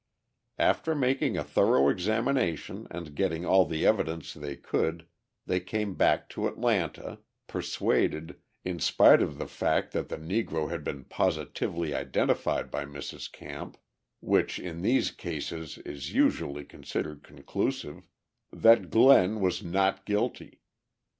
After making a thorough examination and getting all the evidence they could, they came back to Atlanta, persuaded, in spite of the fact that the Negro had been positively identified by Mrs. Camp which in these cases is usually considered conclusive that Glenn was not guilty.